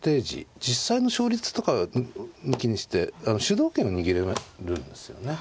実際の勝率とか抜きにして主導権を握れるんですよね。